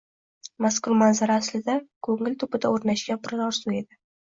Mazkur manzara, aslida, ko‘ngil tubida o‘rnashgan bir orzu edi